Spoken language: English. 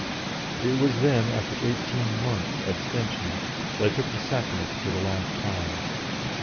It was then, after eighteen months' abstention, that I took the Sacrament for the last time.